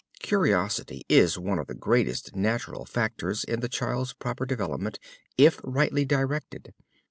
Curiosity is one of the greatest natural factors in the child's proper development, if rightly directed.